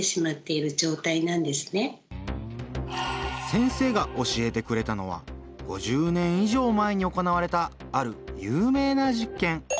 先生が教えてくれたのは５０年以上前に行われたある有名な実験。